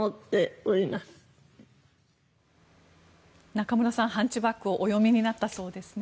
中室さん「ハンチバック」をお読みになったそうですね。